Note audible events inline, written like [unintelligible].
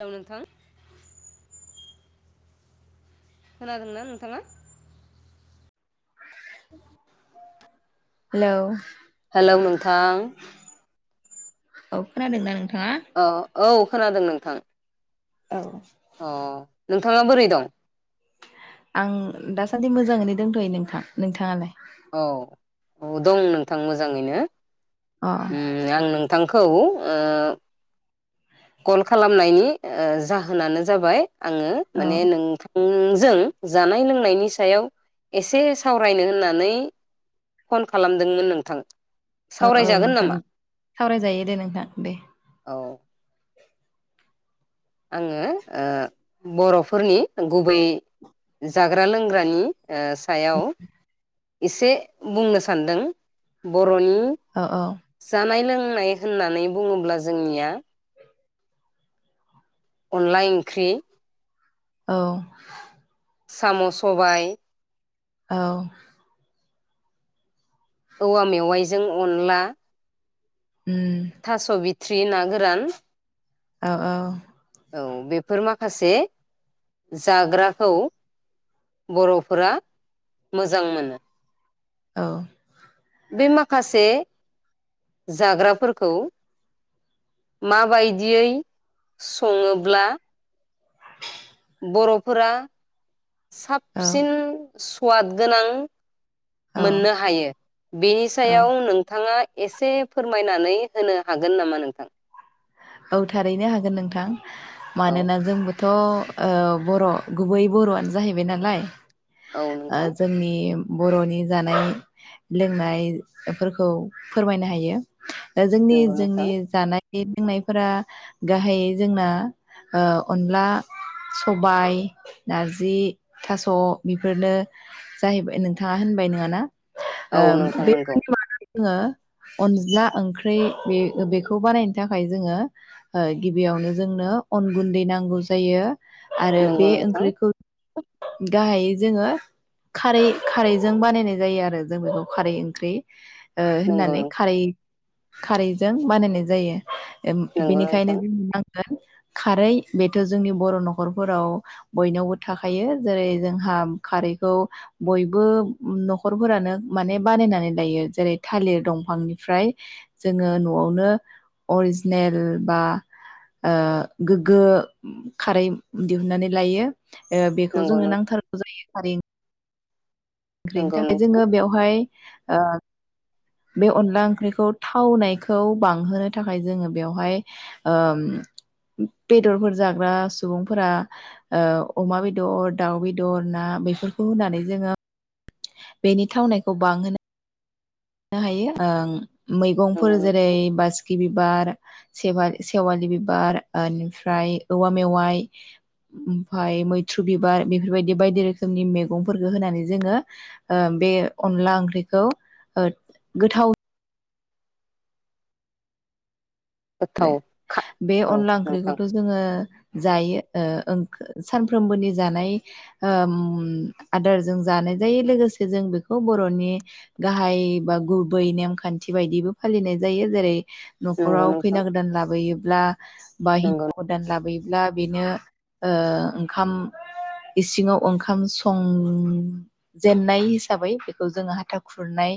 hello नोंथां खोनादोंना नोंथाङा हेलौ हेलौ नोंथां औ खोनादों दा थाङा अ औ खोनादों नोंथां औ अ नोंथाङा बोरै दं आं दासान्दि मोजाङैनो दंथ'यो नोंथां नोंथाङालाय औ औ दं नोंथां मोजाङैनो अ उम आं बिथांखौ कल खालामनायनि जाहोनानो जाबाय आङो औ माने नोंथां जों जानाय लोंनायनि सायाव एसे सावरायनो होननानै फन खालामदोंमोन नोंथां औ औ सावरायजागोन नोंथां नामा सावरायजायो दे नोंथां दे औ आङो बर'फोरनि गुबै जाग्रा लोंग्रानि सायाव एसे बुंनो सानदों बर'नि औ औ जानाय लों बुंनाय होननानै बुङोब्ला जोंनिया अनला ओंख्रि औ साम' सबाय औ औवा मेवाइजों अनला उम थ्रि नागोरान औ औ औ बेफोर माखासे जाग्राखौ बर'फोरा मोजां मोनो औ बे माखासे जाग्राफोरखौ माबायदियै सङोब्ला बर'फोरा औ साबसिन सुवाद गोनां औ मोननो हायो बेनि औ सायाव नोंथाङा एसे फोरमायनानै होनो हागोन नामा नोंथां औ थारैनो हागोन नोंथां औ मानोना जोंबो थ' बर' गुबै बर'आनो जाहैबाय नालाय औ आ नोंथां जोंनि बर'नि जानाय लोंनायफोरखौ फोरमायनो हायो जोंनि नंगौ नोंथां जोंनि जानाय [unintelligible] फोर गाहायै जोंना अनला सबाय नारजि थास' बेफोरनो जाहैबाय नोंथाङा होनबाय नङाना औ ओम नोंथां बे नंगौ [unintelligible] जोङो अनज्ला ओंख्रि बे बेखौ बानायनो थाखाय जोङो ओ गिबियावनो जोंनो अन गुन्दै नांगौ जायो आरो नंगौ बे नोंथां ओंख्रिखौ गाहायै जोङो खारै खारैजों बानायनाय जायो आरो जों बेखौ खारै ओंख्रि ओ नंगौ होननानै नोंथां खारै खारैजों बानायनाय जायो ओम बेनिखायनो [unintelligible] खारै बेथ' जोंनि बर' न'खरफोराव बयनावबो थाखायो जेरै जोंहा खारैखौ बयबो न'खरफोरानो माने बानायनानै लायो जेरै थालिर दंफांनिफ्राय जोङो न'आवनो अरजि नेल बा ओ गोगो खारै दिहुननानै लायो ओ बेखौ नंगौ जोङो नोंथां नांथारगौ जायो खारै ओंख्रिनि नंगौ नोंथां नंगौ थाखाय नोंथां जोङो बेवहाय ओ बे अनला ओंख्रिखौ थावनायखौ बांहोनो थाखाय जोङो बेवहाय ओम बेदरफोर जाग्रा सुबुंफोरा अमा बेदर दाउ बेदर ना बेफोरखौ होनानै जोङो बेनि थावनायखौ बांहोनो नो हायो ओं मैगंफोर नंगौ जेरै नोंथां बासिकि बि बारा सेवा सेवालि बिबार एनिफ्राय औवा मेवाइ ओमफ्राय मैथ्रु बिबार बेफोरबायदि बायदि रोखोमनि मेगंफोरखौ होनानै जोङो ओ बे अनला ओंख्रिखौ ओ गोथाव आरो गोथाव खा बे औ अनला नोंथां ओंख्रिखौथ' जोङो जायो ओ सानफ्रोमबोनि जानाय ओम आदारजों जानाय जायो लोगोसे जों बेखौ बर'नि गाहाय बा गुबै नेमखान्थि बायदिबो फालिनाय जायो जेरै नंगौ न'खराव नोंथां खैना गोदान लाबोयोब्ला बा नंगौ हिनजाव गोदान लाबोयोब्ला, ब्ला बेनो ओ ओंखाम इसिङाव ओंखाम संजेनाय हिसाबै बेखौ जोङो हाथा खुरनाय